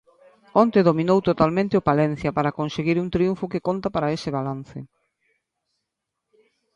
Onte dominou totalmente o Palencia para conseguir un triunfo que conta para ese balance.